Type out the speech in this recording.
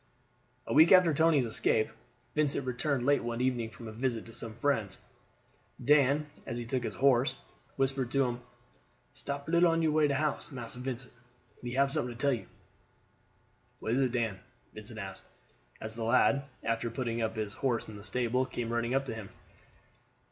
A week after Tony's escape, Vincent returned late one evening from a visit to some friends. Dan, as he took his horse, whispered to him: "Stop a little on your way to house, Massa Vincent; me hab something to tell you." "What is it, Dan?" Vincent asked, as the lad, after putting up his horse in the stable, came running up to him.